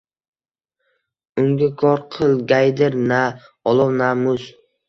Unga kor qilgaydir na olov, na muz.